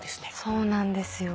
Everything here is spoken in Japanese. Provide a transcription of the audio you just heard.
そうなんですよ。